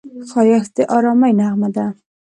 ښایست د ارامۍ نغمه ده